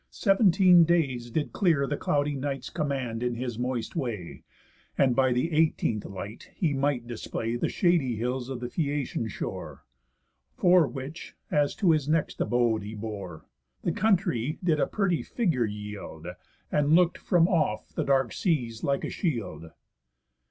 Seventeen days did clear The cloudy night's command in his moist way, And by the eighteenth light he might display The shady hills of the Phæacian shore, For which, as to his next abode, he bore. The country did a pretty figure yield, And look'd from off the dark seas like a shield.